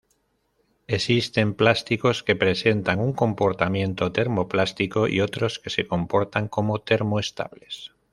Existen plásticos que presentan un comportamiento termoplástico y otros que se comportan como termoestables.